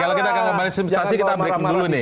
kalau kita tidak marah marah kita break dulu